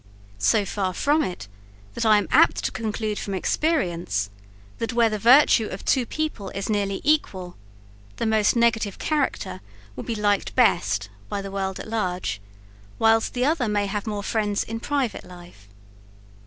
So far from it, that I am apt to conclude from experience, that where the virtue of two people is nearly equal, the most negative character will be liked best by the world at large, whilst the other may have more friends in private life.